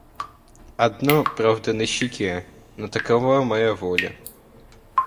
Одно, правда, на щеке, но такова моя воля.